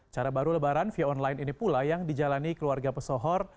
cara baru lebaran via online ini pula yang dijalani keluarga pesohor